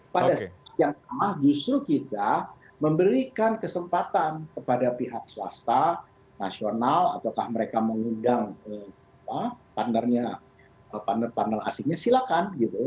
pada saat yang sama justru kita memberikan kesempatan kepada pihak swasta nasional ataukah mereka mengundang partner partner asingnya silakan